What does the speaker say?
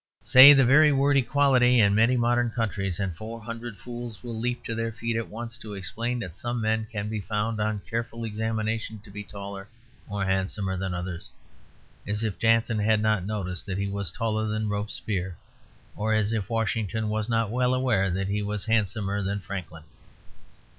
Say the very word "equality" in many modern countries, and four hundred fools will leap to their feet at once to explain that some men can be found, on careful examination, to be taller or handsomer than others. As if Danton had not noticed that he was taller than Robespierre, or as if Washington was not well aware that he was handsomer than Franklin.